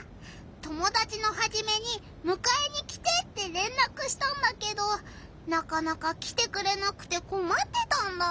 友だちのハジメに「むかえに来て！」ってれんらくしたんだけどなかなか来てくれなくてこまってたんだ。